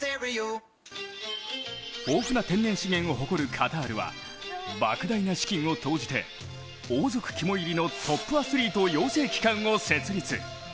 豊富な天然資源を誇るカタールは莫大な資金を投じて王族肝いりのトップアスリート養成機関を設立。